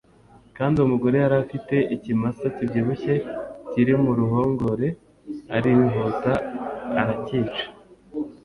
kandi uwo mugore yari afite ikimasa kibyibushye kiri mu ruhongore arihuta aracyica,